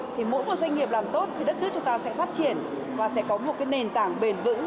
thì mỗi một doanh nghiệp làm tốt thì đất nước chúng ta sẽ phát triển và sẽ có một cái nền tảng bền vững